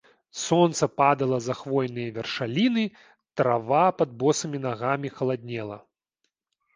Сонца падала за хвойныя вяршаліны, трава пад босымі нагамі халаднела.